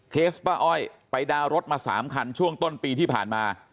ป้าอ้อยไปดาวน์รถมา๓คันช่วงต้นปีที่ผ่านมา